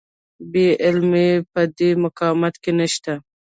بې عملي په دې مقاومت کې نشته.